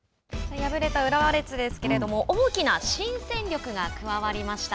敗れた浦和レッズですけれども大きな新戦力が加わりました。